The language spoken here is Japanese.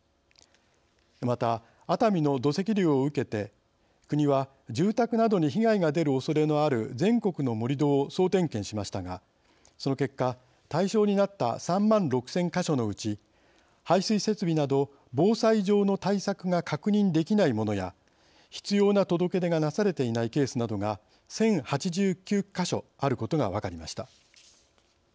また、熱海の土石流を受けて国は住宅などに被害が出るおそれのある全国の盛り土を総点検しましたが、その結果対象になった３万６０００か所のうち排水設備など防災上の対策が確認できないものや必要な届け出がなされていないケースなどが１０８９か所あることが分かりました。